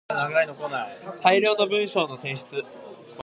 大量の文章の提出